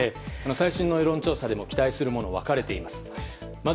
最新の世論調査でも期待するものが分かれています。